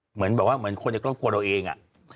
เหมือนแบบว่าเหมือนคนในครอบครัวเราเอง